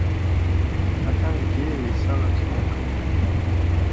Ha-t-an deg yidis-a n uzniq?